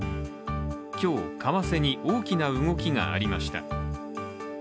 今日、為替に大きな動きがありました。